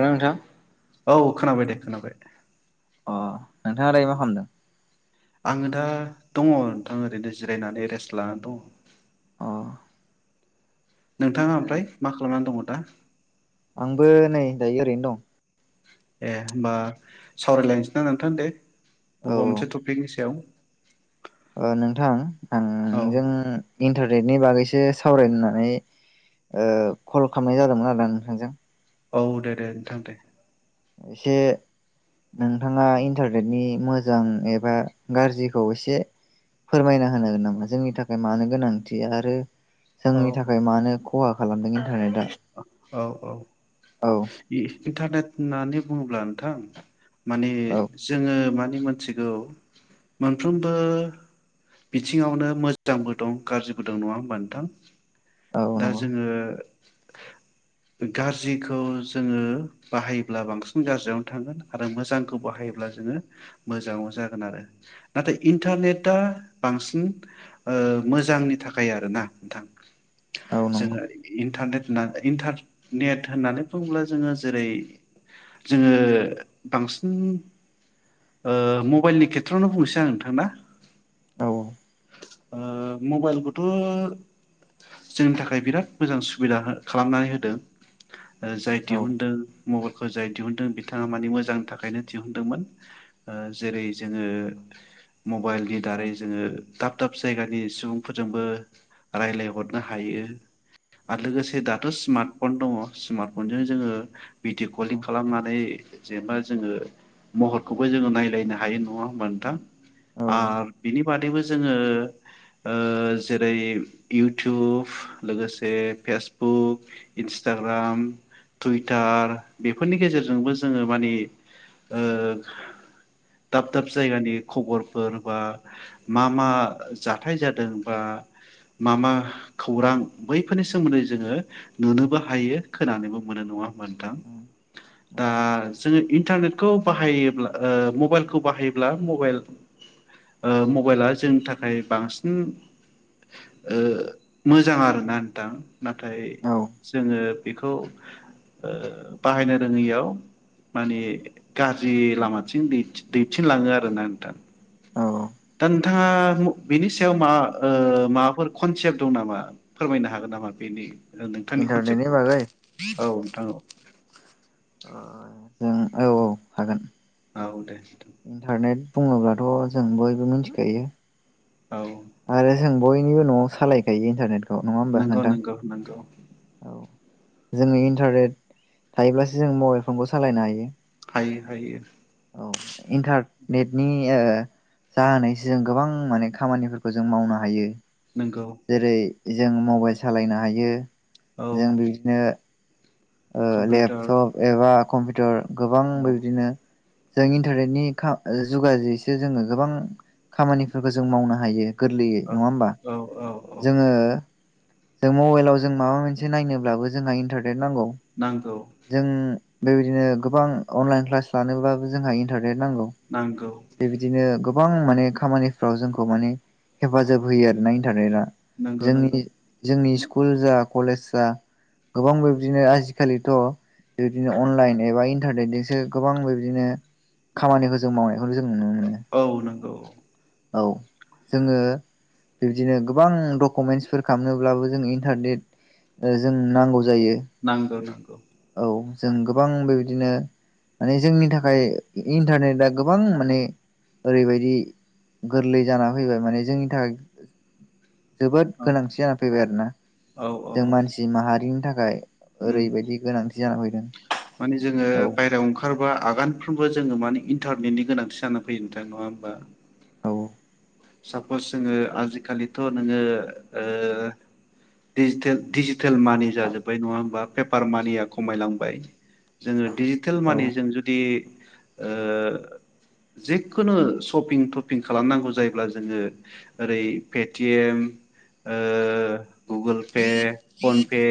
ना नोंथां औ खोनाबाय दे खोनाबाय। अ नोंथाङा दायो मा खालामदों? आङो दा दङ नोंथां ओरैनो जिरायनानै रेस्ट लानानै दङ। अ नोंथाङा ओमफ्राय मा खालामनानै दङमोन। [unintelligible] आंबो नै दायो ओरैनो दं। ए होमबा सावरायलायनोसै दां नोंथां दे। अबेबा मोनसे टपिकनि सायाव। ओ नोंथां औ [unintelligible] इन्टारनेटनि बागैसो सावरायनो होननानै ओ कल खालामनाय जादोंमोन आरोना नोंथांजों। औ दे दे नोंथां दे। एसे नोंथाङा इन्टारनेटनि मोजां एबा गाज्रिखौ एसे फोरमायना होनांगोन नामा जोंनि थाखाय मानो गोनांथि आरो। औ जोंनि थाखाय मानो खहा खालामदों। दा औ। इन्टारनेट होननानै बुङोब्ला नोंथां माने औ जोङो मानो मोनथिगौ मोनफ्रोमबो बिथिङावनो मोजांबो दं गाज्रिबो दं नङा होमबा नोंथां? औ दा नंगौ जोङो गाज्रिखौ जोङो बाहायोब्ला बांसिन गाज्रियावनो थांगोन आरो मोजांखौ बाहायोब्ला जोङो मोजाङाव जागोन आरो नाथाय इन्टारनेटआ बांसिन ओ मोजांनि थाखाय आरोना नोंथां। औ नंगौ जोङो इन्टारनेट इन्टारनेट होननानै बुङोब्ला जोङो जेरै जोङो बांसिन ओ मबाइलनि खेथ्रआवनो बुंनोसै आं नोंथां ना। औ। ओ मबाइलखौथ' जोंनि थाखाय बिराद मोजां सुबिदा हो खालामनानै होदों। जाय औ दिहुनदों मबाइल जाय दिहुनदों बिथाङा माने मोजांनि थाखायनो दिहुनदोंमोन जेरै जोङो मबाइलनि दारै जोङो दाब दाब जायगानि सुबुंफोरजोंबो रायलाय हरनो हायो आरो लोगोसे दाथ' स्मार्टफन दङ स्मार्टफनजों जोङो भिडिअ कलिं खालामनानै जेनबा जोङो महरखौबो जोङो नायलायनो हायो नङा होमब नोंथां औ आ बिनि बादैबो जोङो ओ जेरै इउटुब लोगोसे फेसबुक फेसबुक इन्सटाग्राम टुइटार बेफोरनि गेजेरजोंबो जोङो माने ओ दाब दाब जायगानि खबरफोर बा मा मा जाथाय जादों बा मा मा खौरां बैफोरनि सोमोन्दै जोङो नुनोबो हायो खोनानोबो मोनो नङा मोनदों औ दा जोङो इन्टारनेटखौ बाहायोब्ला मबाइलखौ बाहायोब्ला मबाइल मबाइला जोंनि थाखाय बांसिन मोजां आरोना नोंथां नाथाय औ जोङो बेखौ बाहायनो रोङैयाव माने गाज्रि लामाथिं दैथिनलाङो आरोना नोंथां। औ दा नोंथाङा बेनि सायाव मा माबाफोर ओ कनसेप्ट दं नामा फोरमायनो हागोन नामा? बेनि औ नोंथांनि इन्टारनेटनि कनसेप्टखौ बागै औ नोंथां औ। ओ औ औ हागोन औ दे इन्टारनेट बुङोब्लाथ' जों बयबो मिथिखायो औ आरो जों बयनिबो न'आव सालायखायो इन्टारनेट औ नङा होमबा नंगौ नोंथां नंगौ नंगौ औ जोङो इन्टारनेट थायोब्लासो जों मबाइल फनखौ सालायनो हायो हायो हायो औ इन्टारनेटनि जाहानानैसो जों गोबां माने खामानि खौ जों मावनो हायो नंगौ जेरै जों मब मबाइल सालायनो हायो। औ जों बिदिनो ओ कम्पिउटार लेपटप एबा कम्पिउटार गोबां औ बेबायदिनो जों इन्टारनेटनि जुगाजैसो जोङो गोबां खामानिफोरखौ जों मावनो हायो। गोरलैयै औ नङा होमबा औ औ औ जोङो जों मबाइलाव जों माबा मोनसे नायनोब्लाबो जोंहा इन्टारनेट नांगौ नांगौ जों बेबायदिनो गोबां अनलाइन क्लास लानोबाबो जोंहा इन्टार बे नांगौ नांगौ बेबायदिनो गोबां माने खामानिफ्राव जोंखौ माने हेफाजाब होयो आरो ना इन्टारनेटा नंगौ नंगौ जोंनि जोंनि सि कुल जा कलेज जा गोबां बिब्दिनो आजिखालिथ' बिबदिनो अनलाइन एबा इन्टारनेटजोंसो गोबां बिब्दिनो खामानिखौ जों मावनाय खौ जों नुनो मोनो औ नंगौ औ जोङो बिब्दिनो गोबां डकुमेन्टसफोर खालामनोब्लाबो जों इन्टारनेट जोंनो नांगौ जायो नांगौ नांगौ औ जों गोबां बेबायदिनो माने जोंनि थाखाय इन्टारनेटआ गोबां माने ओरैबायदि गोरलै जानानै फैबाय माने जोंनि थाखाय जोबोर औ गोनांथि जानानै फैबाय आरोना औ जों औ औ मानसि माहारिनि था खाय उम ओरैबायदि गोनांथि जानानै फै उम माने जोङो बायहायाव ओंखारबा आगानफ्रोमबो जोङो माने इन इन्टारनेटनि गोनांथि जानानै फैयो नोंथां नङा होमबा औ सापस जोङो आजिखालिथ' नोङो ओ डिजिटेल डिजिटेल मानि जाजोबबाय नङा होनबा पेपार मानिया खमायलांबाय जोङो डिजिटेल औ मानिजों जुदि ओ जिखुनु सपिं थपिं खालामनांगौ जायोब्ला जोंङो ओरै पेटिएम ओ गुगोल पे फन पे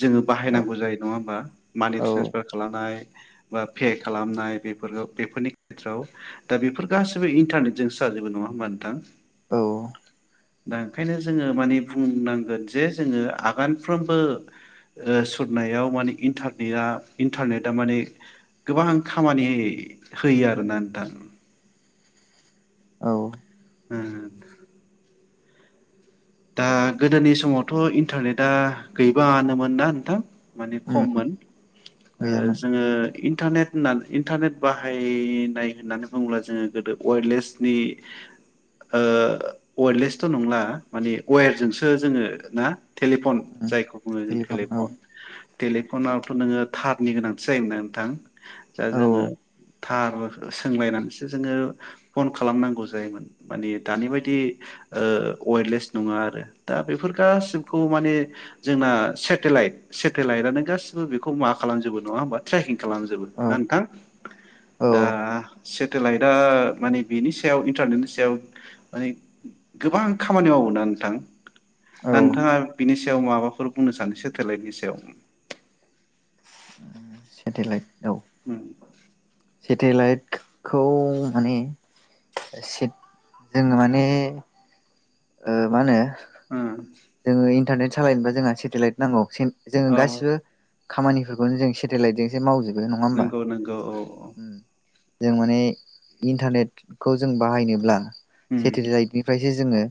जोंङो औ बाहायनांगौ जायो नंङा होमबा मानि औ ट्रेन्सफार खालामनाय बा पे खालामनाय बेफोर बेफोरनि खेथ्रआव दा बेफोर गासिबो इन्टारनेटजों जोबो नङा होनबा [unintelligible] औ दा ओंखायनो जोङो माने बुंनांगोन जे जोङो आगानफ्रोमबो ओ सुरनायाव माने इन्टारनेटआ इन्टारनेटआ माने गोबां खामानि होयो आरोना नोथां। औ उम उम। दा गोदोनि समावथ' इन्टारनेटा गैबाङानोमोन ना नोंथां माने उम खममोन गैयामोन जोङो इन्टारनेट होनना इन्टारनेट बाहायनाय होननानै बुङोब्ला जोङो गोदो अएटलेसनि अएटलेसथ' नंला माने वेरजोंसो जोङो ना टेलिफन उम जायखौ बुङो जों टेलिफन। टेलिफनावथ' नोङो थारनि गोनांथि जायोमोनना नोंथां दा औ जोङो थार सोंलायनानसो जोङो फन खालामनांगौ जायोमोन माने दानि बायदि ओ वेटलेस नङा आरो दा बेफोर गासिखौ माने जोंना सेटेलाइट सेटेलाइटआनो गासिबो बेखौ मा खालामजोबो नङा होमबा ट्रेकिं खालामजोबो ना औ नोंथां? दा औ सेटेलाइटआ माने बेनि सायाव इन्टारनेटनि सायाव माने गोबां खामानि मावोना नोंथां औ दा नोंथाङा बिनि सायाव माबाफोर बुंनो सानो सेटेलाइटनि सायाव? सेटेलाइट औ। उम। सेटेलाइटखौ माने सेट जों माने ओ मा होनो उम जोङो इन्टारनेट सालायनोबा जोंहा सेटेलाइट नांगौ सिम जोङो औ गासिबो खामानिफोरखौनो जों सेटेलाइटजोंसो मावजो नोंगौ नोंगौ औ औ। जों माने इन्टारनेटखौ जों बाहायनोब्ला औ सेथेलाइटनिफाय जे जोङो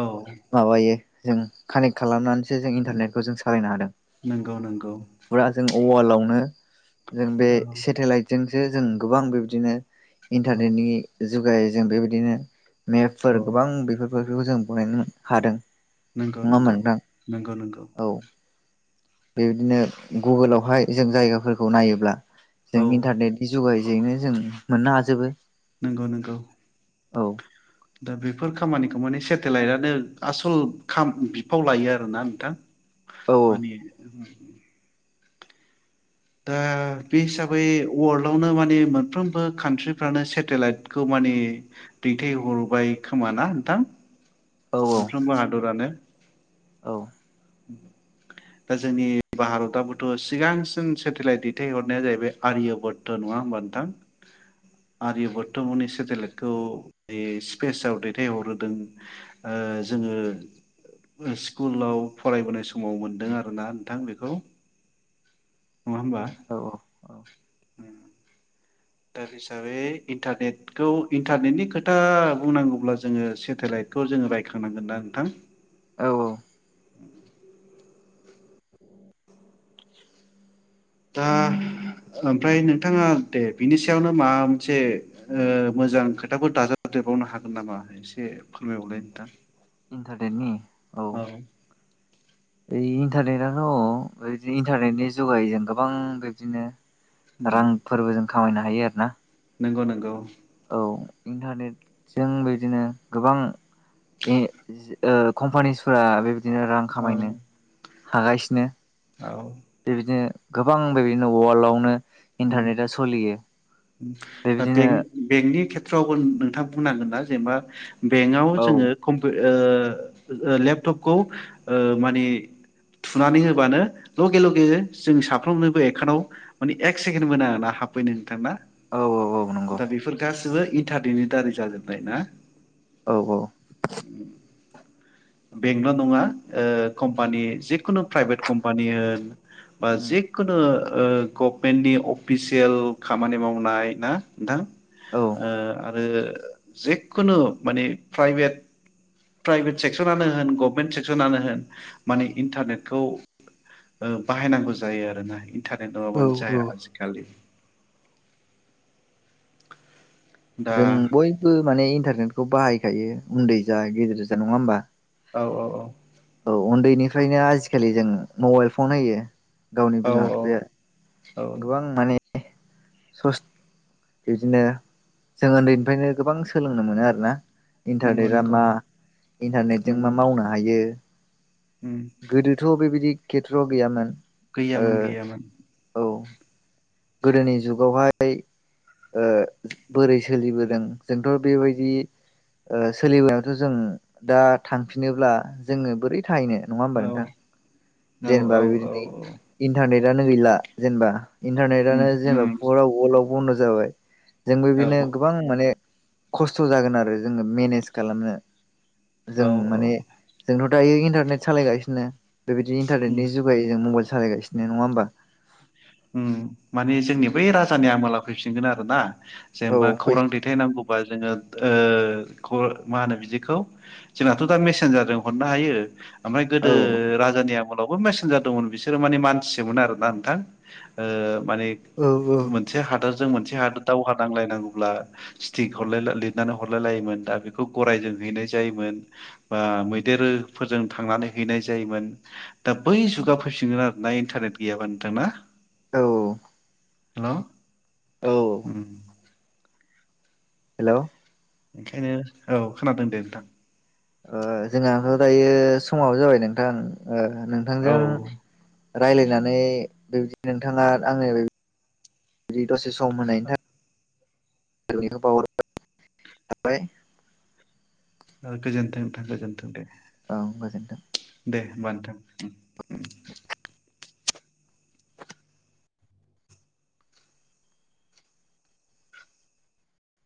औ माबायो जों कानेक्ट खालामनानै सो जों इन्टारनेटखौ जों सालायनो हादों नंगौ नंगौ फुरा जों अवालावनो जों बे औ सेटेलाइटजों नो गोबां बिबदिनो औ इन्टारनेनि जो जुगाय जों बेबायदिनो औ मेपफोर गोबां बेफोर बेफोरखौ जों बानायनो हादों। नंगौ होमबा नंगौ नोंथां नंगौ नंगौ। औ बेबायदिनो गुगोलावहाय जों जायगाफोरखौ नायोब्ला जों औ इन्टारनेटनि जुगाय ओरैनो जों मोननो हाजोबो। नोंगौ नोंगौ। औ। दा बेफोर खामानिखौ माने सेटेलाइटनो आसल खाम बिफाव लायो आरोना नोंथां। औ बानि दा बे हिसाबै वर्लडआवनो माने मोनफ्रोमबो कान्ट्रिफ्रानो सेटेलाइटखौ माने दैथायहरबाय खोमा ना नोंथां? औ औ मोनफ्रोमबो हा दरानो औ दा जोंनि भारतआथ' सिगांसिन सेटेलाइट दैथायहरनाया जाहैबाय आर्यभत्त नङा होमबा नोंथां आर्यभत्त मनि सेटेलाइटखौ स्पेसाव दैथायहरहोदों जोङो स्कुलाव फरायबोनाय समाव मोनदों आरोना नोंथां बेखौ नङा होमबा? औ औ ओम दा बे हिसाबै इन्टारनेटखौ इन्टारनेटनि खोथा बुंनांगौब्ला जोङो सेटेलाइटखौ जोङो रायखांनांगोन ना नोंथां? औ औ दा ओमफ्राय नोंथाङा दे बिनि सायावनो माबा मोनसे ओ मोजां खोथाफोर दाजाबदेरबावनो हागोन नामा एसे फोरमायबावलाय नोंथां। इन्टारदेटनि औ ओ इन्टारनेटथ' बेदि इन्टारनेटनि जुगायजों गोबां बिब्दिनो। रां फोरबोजों ख खामायनो हायो आरो ना? नोंगौ नोंगौ। औ इन्टारनेटजों बेदिनो गोबां ए ओ कम्पानिसफोरा बे। बिदिनो रां खामायनो। हागासिनो औ बेबायदिनो गोबां बेबायदिनो वलाडआवनो उम इन्टारनेटआ सलियो दा बेंक बेंकनि खेथ्रआवबो नोंथां बुंनांगोन ना जेनेबा बेंकआव औ जोङो कमफुउ ओ लेपटपखौ ओ माने थुनानै होबानो लगे लगे जों साफ्रोमनोबो एकानडआव माने एक सेकेणडबो नाङा हाबफैनो नोंथां ना औ औ औ नंगौ दा बेफोर गासै बो इटादेरनि दारै जाजोबनाय ना औ औ बेंकल' नङा कम्पानि जिखुनु प्राइभेट कम्पानि होन बा उम जिखुन ओ गभमेन्टनि अफिसियेल खामानि मावनो बुंनाय ना नोंथां? औ ओ आ आरो जखुनु माने प्राइभेट प्राइभेट सेक्सनानो होन गभमेन्ट सेक्सनानो होन माने इन्टारनेटखौ ओ बाहायनांगौ जायो आरोना। थाखाय औ नङाबानो जाया औ आजिखालि दा जों बयबो माने इन्टारनेटखौ बाहायखायो उन्दै जा गेजेर जा नङा होमबा? औ औ औ औ उन्दैनिफ्रायनो आजिखालि जों मबाइल फन होयो गावनि औ बिमा बिफाया औ औ गोबां माने स बिदिनो जों उन्दैनिफ्रायनो गोबां सोलोंनो मोनो आरोना नंगौ इन्टारनेटआ नंगौ मा इन्टारनेटजों नंगौ मा मावनो हायो उम गोदोथ' बेबायदि खेथ्र' गैयामोन ओ गैयामोन गैयामोन औ गोदोनि जुगावहाय ओ बोरै सोलिबोदों जोंथ' बेबायदि ओ सोलिबोनायावथ' जों दा थांफिनोब्ला जोङो बोरै थाहैनो नङा औ होमबा नोंथां जेनेबा औ औ बेबायदिनो इन्टारनेट नेटानो गैला जेनेबा इन्टारनेटानो उम जेनेबा उम फुरा वर्ल्डआव बन्द' जाबाय जोंबो औ बिदिनो गोबां माने खस्थ' जागोन आरो जोङो मेनेज खालामनो। जों औ औ माने जोंथ' दायो इन्टारनेट सालायगासिनो बेबायदि उम इन्टारनेटनि जुगै जों मबाइल सालायगासिनो नङा होमबा? उम माने जोंनि बै राजानि आमोलाव फैफिनगोन आरो ना। औ जेनेबा फै खौरां दैथायनांगौबा जोङो ओ ख मा होनो बिदिखौ जोंनाथ' दा मेसेन्जारजों हरनो हायो। ओमफ्राय गोदो औ राजानिया आमोलावबो मेसेन्जार दंमोन बिसोरो माने मानसिममोन आरोना नोंथां। ओ माने औ मोनसे हादोर जों मोनसे हादत दावहा नांलायनांगौब्ला स्टिक हरालाय ला लिरनानै हरलाय लायोमोन दा बेखौ गरायजों हैनाय जायोमोन बा मैदेरफोरजों थांनानै हैनाय जायोमोन दा बै जुगा फैफिनगोन आरोना इन्टारनेट गैयाबा नोंथां ना? औ हेल'। औ उम हेल'। ओंखायनो औ खोनादों दे नोंथां। ओ जोंनाथ' दायो समावो जाबाय नोंथां। ओ औ नोंथांजों रायज्लायनानै बिबायदिनो नोंथाङा आंनो बेबायदि दसे सम सम होनायनि थाखाय [inaudible] थाबाय। ओ गोजोनथों नोथां गोजोनथों दे। औ गोजोनथों। दे होमबा नोंथां।